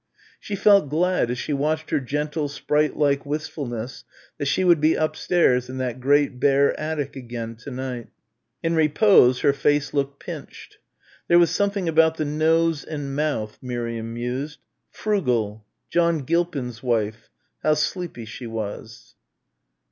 She felt glad as she watched her gentle sprite like wistfulness that she would be upstairs in that great bare attic again to night. In repose her face looked pinched. There was something about the nose and mouth Miriam mused ... frugal John Gilpin's wife how sleepy she was.